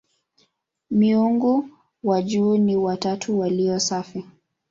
Miungu wa juu ni "watatu walio safi".